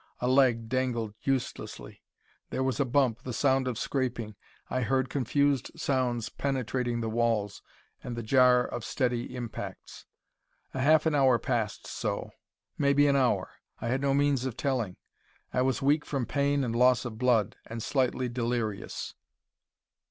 A leg dangled uselessly. There was a bump, the sound of scraping. I heard confused sounds penetrating the walls, and the jar of steady impacts. A half an hour passed so; maybe an hour: I had no means of telling. I was weak from pain and loss of blood, and slightly delirious.